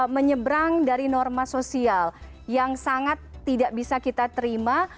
menyebrang dari norma sosial yang sangat tidak bisa kita terima